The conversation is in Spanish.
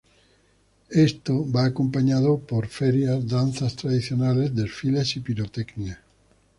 Esto va acompañado por ferias, danzas tradicionales, desfiles y pirotecnia.